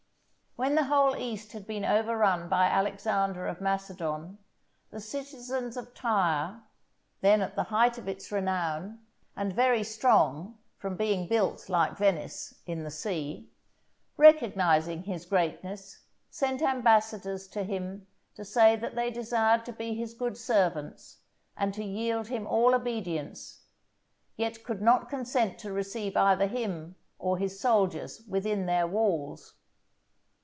When the whole East had been overrun by Alexander of Macedon, the citizens of Tyre (then at the height of its renown, and very strong from being built, like Venice, in the sea), recognizing his greatness, sent ambassadors to him to say that they desired to be his good servants, and to yield him all obedience, yet could not consent to receive either him or his soldiers within their walls.